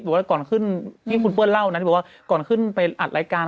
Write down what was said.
ว่าก่อนขึ้นที่คุณเปิ้ลเล่านะที่บอกว่าก่อนขึ้นไปอัดรายการ